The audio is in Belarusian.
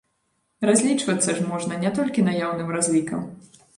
Разлічвацца ж можна не толькі наяўным разлікам!